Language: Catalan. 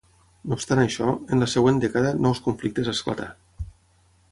No obstant això, en la següent dècada nous conflictes esclatar.